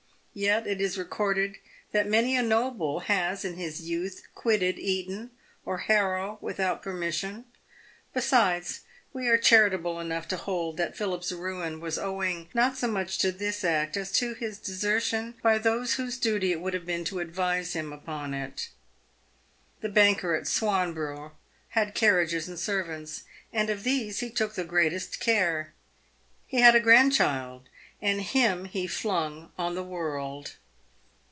Yet it is recorded that many a noble has in his youth quitted Eton or Harrow without permission. Besides, we are charitable enough to hold that Philip's ruin was owing not so much to this act, as to his desertion by those whose duty it would have been to advise him upon it. The banker at Swanborough had carriages and servants, and of these he took the greatest care. He had a grandchild, and him he flung on the world.